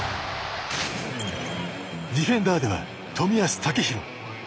ディフェンダーでは冨安健洋。